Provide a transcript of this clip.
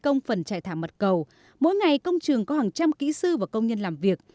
trong phần trại thả mật cầu mỗi ngày công trường có hàng trăm kỹ sư và công nhân làm việc